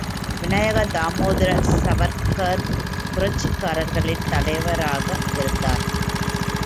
விநாயக தாமோதர சவர்க்கார் புரட்சிக்காரர்களின் தலைவராக இருந்தார்.